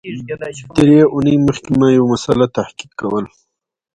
درې اونۍ مخکي ما یو مسأله تحقیق کول